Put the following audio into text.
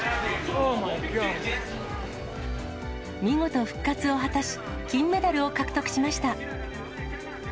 見事復活を果たし、金メダルを獲得しました。